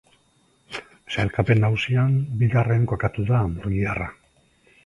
Sailkapen nagusian bigarren kokatu da murgiarra.